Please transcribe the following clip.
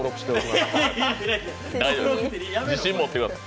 自信持ってください。